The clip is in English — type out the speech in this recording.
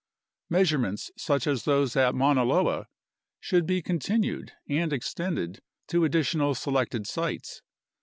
Measurements such as those at Mauna Loa should be con tinued and extended to additional selected sites.